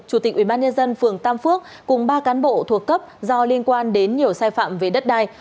chủ tịch ubnd phường tam phước cùng ba cán bộ thuộc cấp do liên quan đến nhiều sai phạm về đất đai